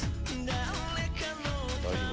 大丈夫？